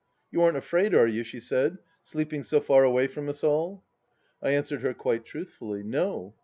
" You aren't afraid, are you ?" she said, " sleeping so far away from us all ?",.., I answered her quite truthfully. No.